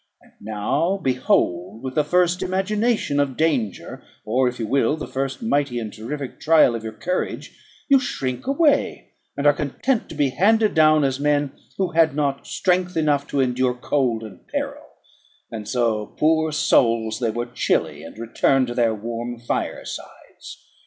And now, behold, with the first imagination of danger, or, if you will, the first mighty and terrific trial of your courage, you shrink away, and are content to be handed down as men who had not strength enough to endure cold and peril; and so, poor souls, they were chilly, and returned to their warm fire sides.